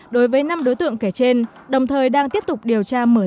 đối với năm đối tượng kể trên đồng thời đang tiếp tục điều tra mở rộng